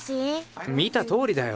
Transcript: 見たとおりだよ。